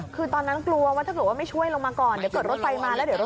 คือตอนนั้นกลัวว่าถ้าเกิดว่าไม่ช่วยลงมาก่อน